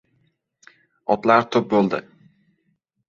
Otlar to‘p bo‘ldi.